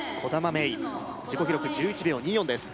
芽生自己記録１１秒２４です